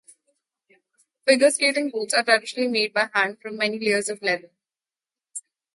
Figure skating boots are traditionally made by hand from many layers of leather.